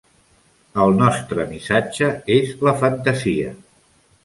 El nostre missatge és la fantasia.